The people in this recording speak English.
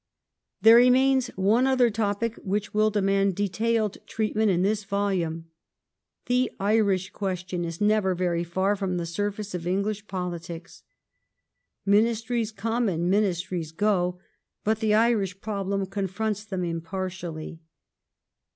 There remains one other topic which will demand detailed Ireland treatment in this volume. The Iiish question is never very far from the surface of English politics. Ministries come and minis tries go, but the Irish problem confronts them impartially.